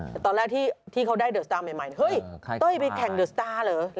แต่ตอนแรกที่เขาได้เดอร์สตาร์ใหม่เฮ้ยเต้ยไปแข่งเดอร์สตาร์เหรอ